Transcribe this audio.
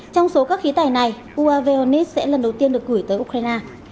trong số các khí tải này uav hornets sẽ lần đầu tiên được gửi tới ukraine